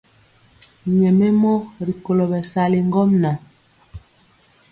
Nyɛmemɔ rikolo bɛsali ŋgomnaŋ.